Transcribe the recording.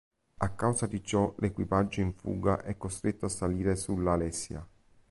A causa di ciò l'equipaggio in fuga è costretto a salire sulla Alesia.